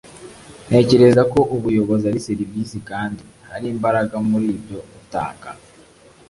ntekereza ko ubuyobozi ari serivisi kandi hari imbaraga muri ibyo gutanga